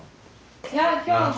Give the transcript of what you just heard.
いや今日も。